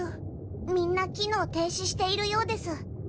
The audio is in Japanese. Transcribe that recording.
みんな機能停止しているようです。